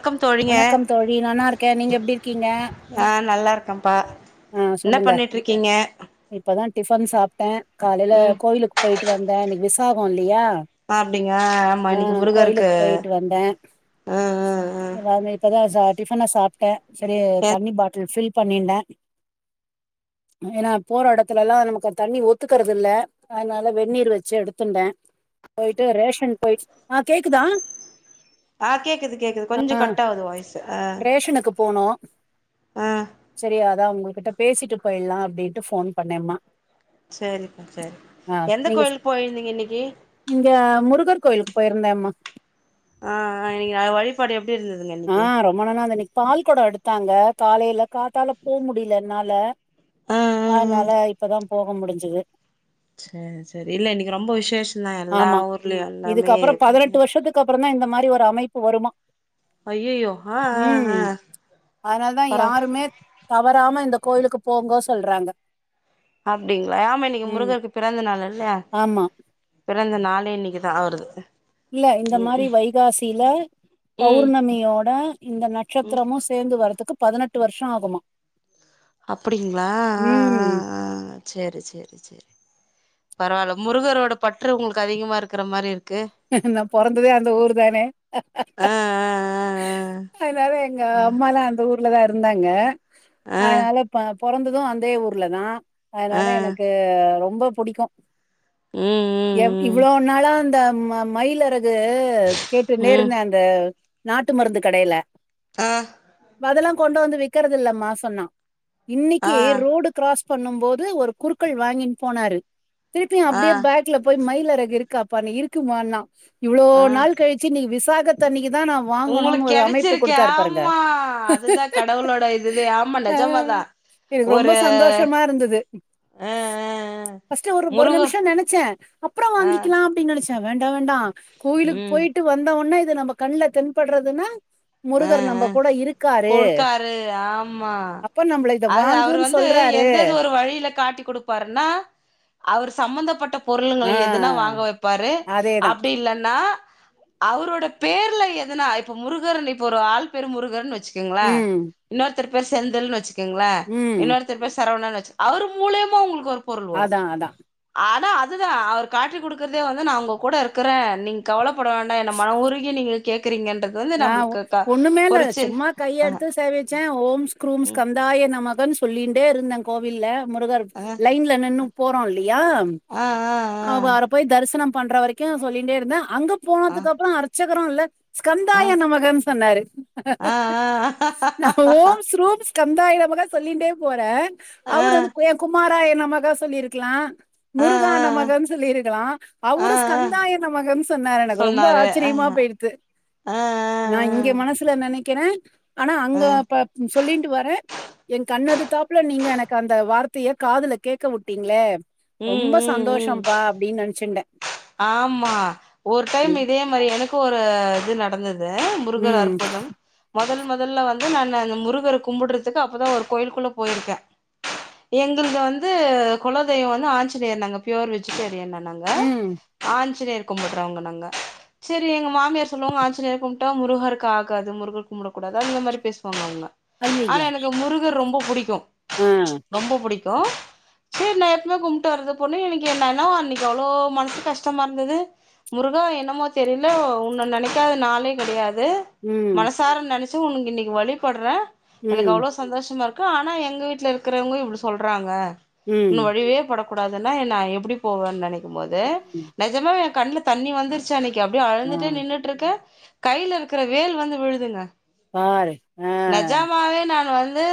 க்கம் தோழிங்க வணக்கம் தோழி நல்லா இருக்கே நீங்க எப்டி இருக்கீங்க ஆ நல்லா இருக்கப்பா ஆ என்ன சொல்லுங்க பண்ணீட்டுருக்கீங்க இப்பதா டிஃபன் சாப்ட்டே காலைல ம் கோயிலுக்கு போயிட்டு வந்த இன்னிக்கு விசாகோ இல்லியா அப்டிங்கா ஆமா இன்னிக்கு முருகருக்கு போயிட்டு ம் ம் ம் ஆம இப்பதா சா டிஃபன சாப்ட்ட சேரி ஆ தண்ணி பாட்டில் ஃபில் பண்ணின்டே ஏன்னா போற எடத்துலல்லா நமக்கு தண்ணி ஒத்துக்கறதுல்ல அதனால வெந்நீர் வெச்சு எடுத்துன்டே போயிட்டு ரேஷன் போயிட் ஆ கேக்குதா ஆ கேக்குது கேக்குது கொஞ்சோ கட் ஆவுது வாய்ஸ்சு ஆ ரேஷனுக்கு போனோ ஆ சேரி அதா உங்ககிட்ட பேசிட்டு போயிலா அப்டின்ட்டு ஃபோன் பண்ணேம்மா சேரிக்கா சேரி ஆ எந்த நீங்க கோயிலுக் போயிருந்தீங்க இன்னிக்கு இங்க முருகர் கோவிலுக்கு போயிருந்தே அம்மா ஆ ஆ இன்னிக் நா வழிபாடு இன்னிக்கு எப்டி இருந்ததுங்க ஆ இன்னிக்கு ரொம்ப நல்லாருந்தது இன்னிக்கு பால் கொடோ எடுத்தாங்க காலைல காத்தால போ முடில என்னால ஆ ஆ ஆ அதனால இப்பதா போக முடிஞ்சிது சேரி சேரி இல்ல இன்னிக்கு ரொம்ப விசேஷோ தா எல்லா ஆமா ஊர்லயு எல்லாமே இப்ப அதுக்கு அப்பறோ தா இந்த மாரி ஒரு அமைப்பு வருமா ஐய்யய்யோ ஆ ஆ ஆ ம் அதனால தா பரவா யாருமே தவறாம இந்த கோயிலுக்கு போங்க சொல்றாங்க அப்டிங்களா ஆமா இன்னிக்கு ம் முருகருக்கு பிறந்த நாள் இல்ல ஆமா பிறந்த நாளே இன்னிக்கு தா ஆவுறுது இல்ல இந்த மாரி வைகாசில ம் பௌர்ணமியோட இந்த நட்சத்திரமும் சே சேந்து வரதுக்கு பதினெட்டு வருஷோ ஆகுமா அப்டிங்களா ஆ ஆ ம் ஆ ஆ சேரி சேரி சேரி பரவால்ல முருகரோட பற்று உங்களுக்கு அதிகமாக இருக்கிற மாரி இருக் நா பொறந்ததே அந்த ஊர் தானே ஆ அதனால எங்க அம்மாலா அந்த ஊர்லதா இருந்தாங்க ஆ அதனால பா பொறந்தது அந்தே ஊர்ல தா ஆ ஆ ஆ அதனால எனக்கு ரொம்ப புடிக்கு ம் எவ் ம் இவ்ளோ நாளா அந்த ம மயிலருகு ம் கேட்டுனே ம் இருந்தே அந்த நாட்டு மருந்து கடையில ஆ அதல்லா கொண்டு வந்து விக்கிறதில்லம்மா சொன்னா இன்னைக்கு ஆ ரோடு கிராஸ் பண்ணும் போது ஒரு குறுக்கள் வாங்கின்னு போனாரு திருப்பியு ஆ அப்டியே பேக் ல போய் மயிலரகு இருக்காப்பான்னே இருக்குமான்னா இவ்ளோ ஆ நாள் கழிச்சு இன்னிக்கு விசாகத் தண்ணிக்கு தா நா உங்களுக்கு வாங்கணும்னு ஒரு அமைப்பு கெடச்சிருக்கு கொடுத்தாரு பாருங்க ஆமா அதுதா கடவுளோட இதுவே ஆமா ஆ நெஜமாதா எனக்கு ரொம்ப ஒரு சந்தோஷமா ஆ இருந்துது ஆ ஆ ஃபாஸ்ட் ஒரு ஒரு முருக நிமிஷோ நினைச்சே அப்புறோ ஆ வாங்கிக்கலாம் அப்டின் நெனைச்சே வேண்டா வேண்டா கோயிலுக்கு ம் போயிட்டு வந்த உன்னா இது நம்ம கண்ல தென்படுறதுன்னா ஆ முருகர் ஆ நம்ம கூட இருக்காரு கொடுக்காரு ஆமா அப்ப நம்மளை இத அது அவரு வாங்குன்னு சொ வந்து எந்தது ஒரு வழியில காட்டிக் கொடுப்பாருன்னா அவர் சம்பந்தப்பட்ட ஆ பொருளுங்களை எதுனா வாங்க வைப்பாரு அதேதா அப்டி இல்லன்னா அவரோட பேர்ல எதுனா இப்ப முருகர்ன் இப்ப ஒரு ஆள் பேரு முருகர்னு வச்சு க்கீங்களா ம் இன்னொருத்தரு பேர் செந்தில்னு வச்சுக்கீங்களா ம் இன்னொருத் தரு சரவணனு வச்சு அவரு மூலியமா உங்களுக்கு ஒரு பொருள் வரு அதா அதா அட அதுதா அவர் காட்டி குடுக்கறதே வந்து நா உங்க கூட இருக்கறே நீங்க கவலப்பட வேண்டா என்ன மன ஊருக நீங்க கேக்குறீங்கன்றது வந்து நம்மளுக்கு க ஓண்ணு மேல இல்ல பொறிச்சு சும்மா ஆ கைய எடுத்து சேவிச்சே ஓம் ஸ்க்ரூம் ம் ஸ்கந்தாய நமகானு சொல்லிட்டே இருந்தே கோவில்ல முருகர் ஆ லைன்ல நின்னு போறோ இல்லியா ஆ ஆ ஆ அவார்ப் போய் தரிசனம் பண்ற வரைக்கு சொல்லிட்டே இருந்தே அங்க ஆ போனதுக்கு அப்புறோ அர்ச்சகரு இல்ல ஸ்கந் தா ஆ என்ன மகன் சொன்னாரு ஆ நம்ப ஓம்ஸ் ரூம்ஸ் கந்தாய நமக சொல்லின்டே போற அவரு வந்து குயம் குமாராய நமக சொல்லிர்க்கிலா ஆ ஆ முருகா நமகனு சொல்லிருக்கலா ஆ ஆ அவரு ஸ்கந்தாய நமகம் சொன்னரு எனக்கு ரொம்ப சொன்னாரு ஆச்சரியமா போய்டுது ஆ ஆ நா இங்க மனசுல நெனைக்கிற ஆனா ஆ அங்க அப்பப் சொல்லிட்டு வரே எ கண்ணெதுதாப்ல நீங்க எனக்கு அந்த வார்த்திய காதுல கேக்க வுட்டீங்ளே ம் ரொம்ப ம் ம் சந்தோஷம்ப்பா அப்டின் நனச்சுன்டே ஆமா ஒரு டைம் இதே மாரி எனக்கு ஒரு இது நடந்தது து முருகர் ம் அற்புதம் முதல் முதல்ல வந்து நானு அந்த முருகர கும்புட்றதுக்கு அப்பதா ஒரு கோயிலுக்குள்ள போயிருக்கே எங்கள்து வந்து குலதெய்வ வந்து ஆஞ்சநேயர் நாங்க புயோர் வெஜிடேரியனனாங்க ம் ஆஞ்சநேயர் கும்பிட்றவங்க நாங்க செரி எங்க மாமியார் சொல்லுவாங்க ஆஞ்சநேயர் கும்பிட்டா முருகருக்கு ஆகாது முருகர் கும்புடக் கூடாது அந்த மாரி பேசுவாங்க அவுங்க ஐய்யய்ய! ஆனா எனக்கு முருகர் ரொம்ப புடிக்கு ஆ, ரொம்ப புடிக்கு சேர் நா எப்மே கும்ட்டு வருது பொண்ணு எனக்கு என்னன்னா அன்னைக்கு அவ்ளோ மனசு கஷ் ஷ்டமா இருந்துது முருகா என்னமோ தெரியில உன்ன நெனைக்காத நாளே கிடையாது ம் தாரன் நெனச்சு உனுக்கு இன்னைக்கு வழிபட்ற எனக்கு ம், அவ்ளோ சந்தோஷமா இருக்கு ஆனா எங்க வீட்ல இருக்கிறவுங்க இப்டி சொல்றாங்க உன்ன ம், வழிவே பட கூடாதுனா என்ன நா எப்டி போவன் நனைக்கு போது ம், நெஜமாவே எனக் கண்ல தண்ணி வந்திர்சு அன்னைக்கு அப்டியே ஆ, அழுந்திட்டே நின்னுட்ருக்க கைல இருக்கிற வேல் வந்து விழுதுங்க பாரு. ஆ, நெஜாமாவே நானு வந்து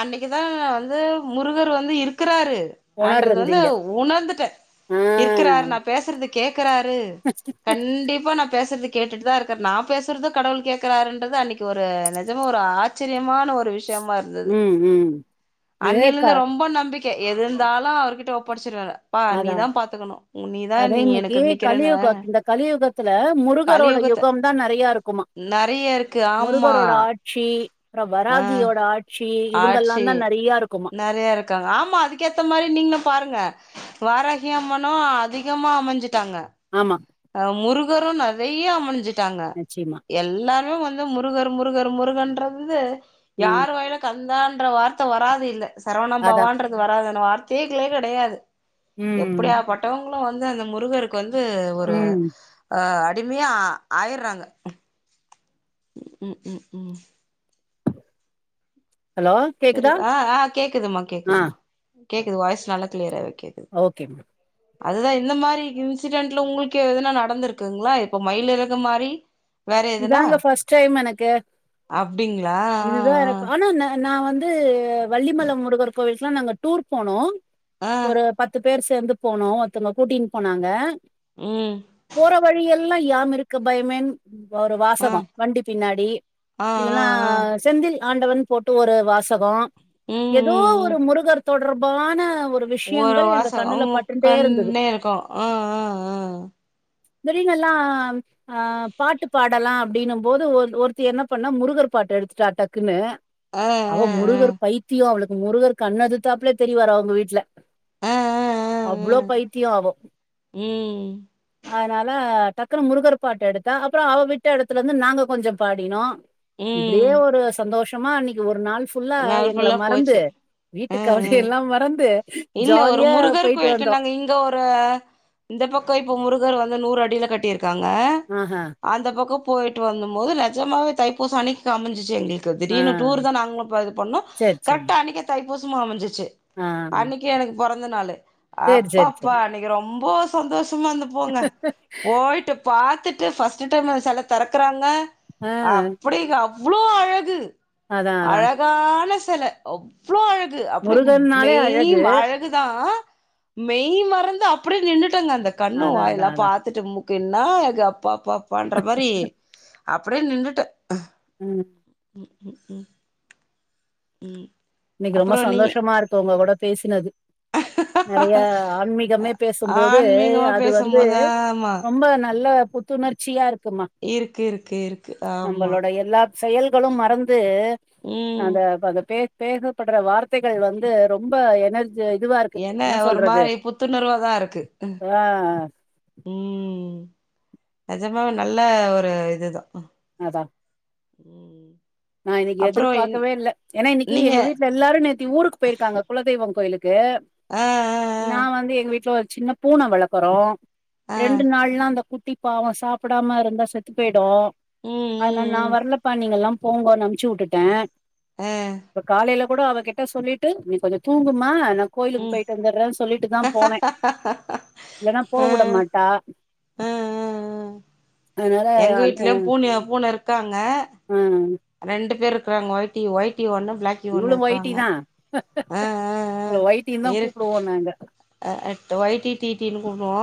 அன்னைக்கு தா வந்து முருகர் வந்து இருக்கறாரு ஆன்றது வந்து உணர்ந்தீங்க. உணர்ந்துட்டே ஆ, இருக்கிறாரு பேசற்து கேக்குறாரு கண்டிப்பா நம் பேசுறது கேட்டுட்டு தா இருக்கர் நா பேசுறத கடவுள் கேக்கிறார்ன்றத அன்னைக்கு ஒரு நெஜம ஒரு ஆச் சிரியமான ஒரு விஷயமா இருந்தது ம், ம். இது க அண்ணிலந்து ரொம்ப நம்பிக் கே எதுந்தாலு அவருகிட்ட ஒப்படைச்சிருவ அத பா நீ தா பாத்துக்குணு உ நீ தா அதா நீ இன்னிக்கி எனக்கு நிக்கிறன்னு கலியுக இந்த கலியுகத்துல முருகரோட கலியுகத்த யுகம் தா நெறைய இருக்குமா நெறைய இருக்கு ஆமா முருகரோட ஆட்சி அப்புற ஆ வராகியோட ஆட் சி இவுங்கல்லா தா நெறைய இருக்குமா க ஆமா அதுக்கேத்த மாரி நீங்ளு பாருங்க வாராகி அம்மனு அதிகமா அமஞ்சுட்டாங்க ஆமா அ முருகரு நெறைய அமைஞ்சிட்டாங்க நிச்சயமா. எல்லாருமே வந் து முருகர் முருகர் முருகன்றந்து ம், யார் வாயில கந்தான்ற வார்த்த வராது இல்ல சரவண அதான். பவான்றது வராதுனு வார்த்திகளே கெடையாது ம், எப்பிடியா பட் டவுங்களு வந்து அந்த முருகருக்கு வந்து ஒரு ம். ஆ அடிமையா ஆயிர்றாங்க ம் ம் ம் ஹலோ இரு கேக்குதா? ஆ ஆ கேக்குதுமா ஆ, கேக்குதுமா கேக்குது வாய்ஸ் நல்லா கிளியராவே கேக்குது ஓகே மேம் அதுதா இந்த மாரி இன்சிடென்ட்ல உங்களுக்கு எதனா நடந்திருக்குங்களா இப்போ மயில் எறகு மாரி வேற எதுனா இதாங்க பஸ்ட் டைம் எனக்கு அப்டிங்களா இதுதா எனக்கு ஆனா ன நா வந்து வள்ளிமலை முருகர் கோவிலுக்குலா நாங்க டூர் போனோ ஆ ஆ ஒரு பத்து பத்து பேர் சேந்து போனோ ஒருத்தவங்க கூட்டின்னு போனாங்க ம் போற வழியெல்லா யாம் இருக்க பயமேன் ஒரு ஆ வாசகோ வண்டி பின்னாடி ஆ இல்ல ஆ ஆ அ செந்தில் ஆண்டவன் போட்டு ஒரு வாசகோ ம் ஏதோ ம் ம் ஒரு முருகர் தொ தொடர்பான ஒரு ஒரு விஷயங்கள் எங்க கண்ணுல வாசகம் பட்டுட்டே இருந்தது. கண்டே இருக்கு அ அ அ வெளில எல்லா அ பாட்டு பாடலா அப்டின்ன போது ஒரு ஒருத்தி என்ன பண்ணா முருகர் பாட்டு எடுத்துட்டா டக்குன்னு ஆ ஆ அவ முருகர் பைத்தியம் அவளுக்கு முருகர் கண் எதுத்தாப்புலே தெரிவாரு அவங்க வீட்டுல ஆ ஆ ஆ ஆ அவ்ளோ ஆ பைத்தியம் அவ ம் அதனால டக் டக்குனு முருகர் பாட்டு எடுத்தா அப்பறோ அவ விட்ட எடத்துல இருந்து நாங்க கொஞ்சோ பாடினோ ம் இப்டியே ஒரு சந்தோஷமா இன்னைக்கு ஒரு நாள் ஃபுல்லா நாள் எங்கள ஃபுல்லா மறந்து போச்சு வீட்டுக் ம் கவலை ம் எல்லா மறந்து இல்ல ஒரு ஜாலியா முருகர் பேய்ட்டு கோயிலுக்கு வந்தோ நாங்க இங்க ஒரு இந்த பக்கோ இப்ப முருகர் வந்து நூறு அடியில கட்டிருக்காங்க ஆஹா அந்த பக்கோ போயிட்டு வந்த போது நிஜாவவே தைபூசம் அன்னக்கி காமிஞ்சிச்சு எங்களுக்கு ஆ திடீர்னு டூர் தா நாங்களு ப இது பண்ணும் சேரி சேரி கரெக்டா அன்னைக்கே தைப்பூசமு அமைஞ்சிச்சு ஆ அன்னக்கு எனக்கு பொறந்த நாளு சேரி சேரி அப்பப்பா சேரி அன்னைக்கு ரொம்ப சந்தோஷமா இருந்தே போங்க போய்ட்டு பாத்துட்டு பஸ்ட்டு டைம் செல திறக்குறாங்க ஆ அப்படிக [unintelligible] அழகு அதா அதா அழகான செல அவ்ளோ அழகு அப்டிய மெய் அழகு தா மெய் மறந்து அப்டியே நின்னுட்டேங்க அந்த கண்ணு அதா அதா வாய்ல்லா அதா பாத்துட்டு மு என்னா அழகு அப்பா அப்பா அப்பான்ற மாரி அப்டியே நின்னுட்டே ம் ம் ம் ம் இன்னைக்கு ரொம்ப அப்புறம் நீங்க சந்தோஷமா இருக்கு உங்க கூட பேசுனது நெறைய ஆன்மீகமே பேசும்போது ஆன்மீகமா அது வந்து பேசும்போது ஆமா. ரொம்ப நல்ல புத்துணர்ச்சியா இருக்குமா இருக்கு இருக்கு இருக்கு ஆமா நம்மளோட எல்லா செயல்களும் மறந்து ம். அந்த அ பே பேசப்படுற வார்த்தைகள் வந்து ரொம்ப எனர்ஜி இதுவா இருக்கு என்ன ஒரு சொல்றது மாரி புத்துணர்வா அ ம்ந நிஜமாவே நல்ல ஒரு இதுதா அதா ஒ நான் இன்னைக்கு எதிர்பார்கவே இல்ல ஏன்னா இன்னைக்கு நீங்க எங்க வீட்ல எல்லாரும் நேத்தி ஊருக்கு போயிருக்காங்க குலதெய்வம் கோயிலுக்கு அ நா வந்து எங்க வீட்டுல ஒரு சின்ன பூனை வளர்க்றோ ஆ ஆ ரெண்டு நாள்ல்லாரஅந்த குட்டி அப்ப அவன் சாப்டாம இருந்தா செத்து போயிடு அதனால நா ம் ம் வரலப்பா நீங்க எல்லா போங்கோனு அம்ச்சு விட்டுட்டே ம் ஆ இப்ப காலையில கூட அவகிட்ட சொல்லிட்டு நீ கொஞ்சோ தூங்குமா நா கோயிலுக்கு ம் போயிட்டு வந்துடுறே சொல்லிட்டு தா போனே இல்லைன்னா போ ஆ ஆ உட மாட்டா ஆ அதனால எங்க அந்த வீட்லயு பூனயு பூனை இருக்காங்க ஆ ரெண்டு பேர் இருக்கறாங்க ஒயிட் ஒயிடி ஒண்ணு பிளாக் இவ்ளவு ஓயிட்டி தா ஆ இவள ஓயிட்டி தா கூப்பிடுவோ நாங்க ஆ ட்டு ஒயிடி டி டி னு கூப்புடுவோ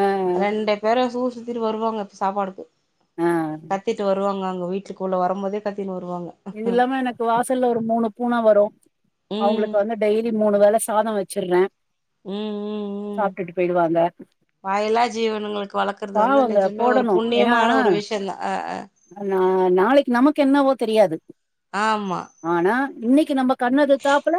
ஆ ரெண்டு வேற ஊறு சுத்திட்டு வருவாங்க சாப்பாடுக்கு ஆ கத்திட்டு வருவாங்க அங்க வீட்டுக்குள்ளே வரும்போதே கத்திட்டு வருவாங்க இது ம் இல்லாம எனக்கு வாசல்ல ஒரு மூணு பூனை வரு அவங்களுக்கு ம் வந்து டெய்லி மூணு வேலை சாத வச்சுடுறே ம் ம் சாப்ட்டுட்டு போயிடுவாங்க வாயிலா ஜீவனங்களுக்கு வளக்கறது வந்து பாவங்க நிஜமே ஒரு போடணு ஏன்னா புண்ணியமான ஒரு விஷய தா ஆ ஆ நா நாளைக்கு நமக்கு என்னவோ தெரியாது ஆமா ஆனா இன்னைக்கு நம்ம கண்ணு எதுதாப்புல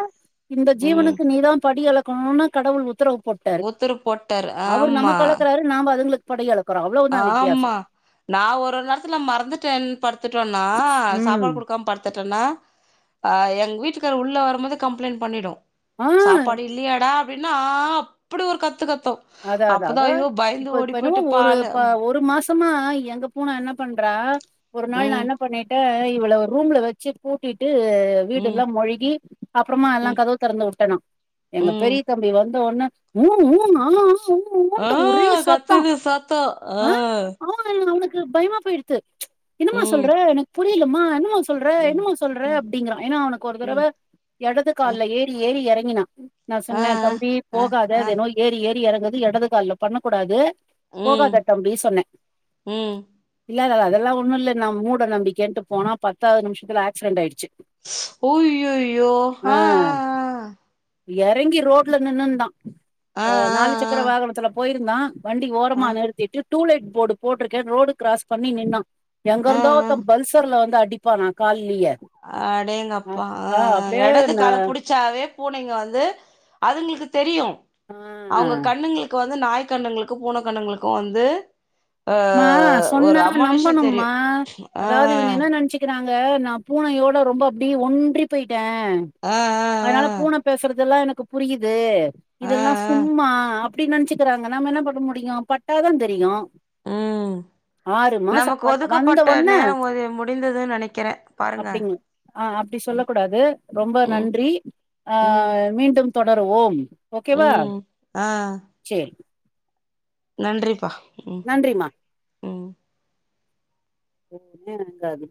இந்த ம் ஜீவனுக்கு நீதா படியலக் கனு கடவுள் உத்தரவு போட்டு ஊத்துரவு போட்டாரு ஆமா அளக்குறாரு நாம அதுங்களுக்கு படி அழைக்குறோ அவ்ளோ ஆமா நா ஒரு நேரத்துல மறந்துட்டேன் படுத்துட்டேண்ணா சாப்பாடு ம் கொடுக்காம படுத்துட்டேண்ணா ஆ எங்க வீட்டுக்கரு உள்ள வரும்போதே கம்ப்ளைண்ட் பண்ணிடு ஆ சாப்பாடு இல்லியாடா அப்டின்னா ஆ அப்டி ஒரு கத்து கத்து அத அத அப்பதா அதா ஐயோ பயந்து இப்ப இப்ப ஓடி என்னோவோ போயிட்டு ஒரு பாலு ப ஒரு மாச மா எங்க பூ னே என்ன பண்றா ஒரு நாள் நான் ம் என்ன பண்ணே தே இவ்வள ஒரு ரூம்ல வச்சு பூட்டிட்டு வீடு ம் எல்லா மொழுகி அப்பறமா எல்லா ம் கதவு திறந்து உட்டே நா எங்க ம் பெரிய தம்பி வந்த உடனே உ உ ஆ உ ஆ கத்துது சத்த ஆ [unintelligible] அவனுக்கு பயமா போயிடுத்து என்னமா ம் சொல்ற எனக்கு புரியலமா என்னமா சொ சொல்ற ம் என்னமா சொல்ற ம் அப்டிங்கிறா ஏனா அவனுக்கு ஒரு ம் தடவை இடது ம் கால்ல ஏறி ஏறி இறங்கினான் நா ஆ சொன்னே தம்பி ஆ போகாத ஆ அது ஏதோ ஏறி ஏறி இறங்குது இடது கால்ல பண்ணக்கூடாது ம் போகாதே தம்பி சொன்னே ம் இல்ல அது அதெல்லா ஒன்னு இல்ல நா மூட நம்பிகை ன்ட்டு போனா பத்தாவது நிமிஷத்துல ஆக்சிடன் ஆயிடுச்சு ஐயையோ ஆ ஆ ஆ இறங்கி ரோடல நின்னு தா ஆ நாலு சக்கர வாகனத்துல போயிருந்தா வண்டி ஓரமா நிறுத்திட்டு டூலைட் போர்டு போட்டிருக்கே ரோடு கிராஸ் பண்ணி நின்னான் எங்க ஆ ஆ இருந்த ஒருத்தன் பல்சர்ல வந்து அடி பானா கால்லையே அடேங்கப்பா ஆ ஆ இடது ந கால புடிச் வெச்சாவெ பூனைங்க வந்து அதுங்களுக்கு தெரியூ ஆ அவங்க கண்ணுங்களுக்கு வந்து நாய்க் கண்ணுங்களுக்கை பூன கண்ணுங்களுக்கூ வந்து ஆ மா ஒரு சொன்ன அமானுஷ தெரியு நம்பனும்மா ஆ அதாவது இவங்க என்ன நெனச்சுக் கிறாங்க நா பூனையோட ரொம்ப அப்டியே ஒன்றி போயிட்டே ஆ அதனால பூன பேசுறதுெல்லா எனக்கு புரியுது ஆ ஆ இதெல்லா சும்மா அப்படி நென்ச்சிக்கிறாங்க நம்ம என்ன பண்ண முடியூ பட்டாதா தெரியூ அ நமக்கு வந்த ஒதுக்கப்பட்ட ஒட்னே நேரோ ஒரு முடிந்ததுன்னு நினைக்கிறே பாருங்க அப்டிங்க ஆ அப்படி சொல்ல ம் கூடாது ரொம்ப ம். நன்றி ஆ ம் மீண்டும் தொடருவோ ஓகேவா ம் ஆ செரி நன்றிப்பா ம் நன்றிம்மா ம் [inaudible] இருக்காது